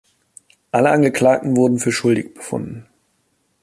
Alle Angeklagten wurden für schuldig befunden.